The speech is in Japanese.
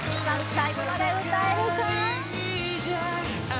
最後まで歌えるか？